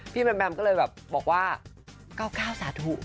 พี่แบมแบมก็เลยบอกว่า๙๙สาธุ